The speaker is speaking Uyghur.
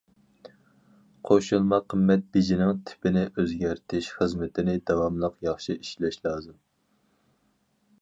قوشۇلما قىممەت بېجىنىڭ تىپىنى ئۆزگەرتىش خىزمىتىنى داۋاملىق ياخشى ئىشلەش لازىم.